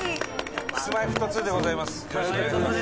Ｋｉｓ−Ｍｙ−Ｆｔ２でございます。